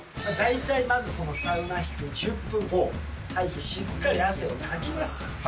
大体まずこのサウナ室１０分入って、しっかり汗をかきます。